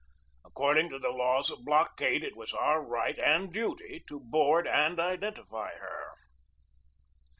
According to the laws of blockade it was our right and duty to board and identify her.